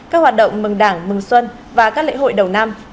các hoạt động mừng đảng mừng xuân và các lễ hội đầu năm